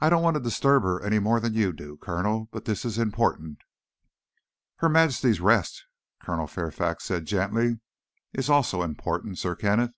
"I don't want to disturb her any more than you do, Colonel, but this is important." "Her Majesty's rest," Colonel Fairfax said gently, "is also important, Sir Kenneth."